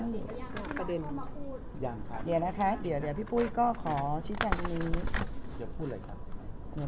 พี่ปุ๊ยมันเข้าเรื่องประเด็นนี้ประเด็นว่าตัดสิทธิ์น้อง